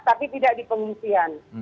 tapi tidak di pengungsian